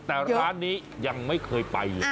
แต่ร้านนี้ยังไม่เคยไปเลย